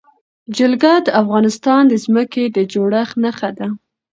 جلګه د افغانستان د ځمکې د جوړښت نښه ده.